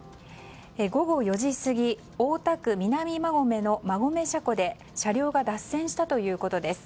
午後４時過ぎ、大田区南馬込の馬込車庫で車両が脱線したということです。